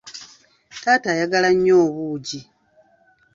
Taata ayagala nnyo obuugi.